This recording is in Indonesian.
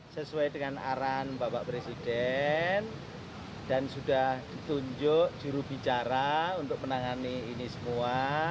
sesuai dengan arahan bapak presiden dan sudah ditunjuk jurubicara untuk menangani ini semua